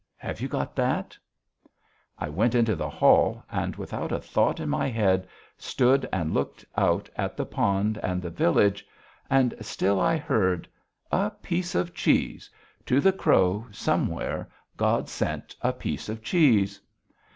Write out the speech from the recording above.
Have you got that?" I went out into the hall, and, without a thought in my head, stood and looked out at the pond and the village, and still I heard: "A piece of cheese.... To the crow somewhere God sent a piece of cheese."